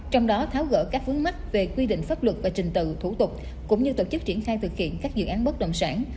trong đó tháo gỡ các vướng mắt về quy định pháp luật và trình tự thủ tục cũng như tổ chức triển khai thực hiện các dự án bất động sản